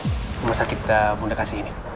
di rumah sakit bunda kasih ini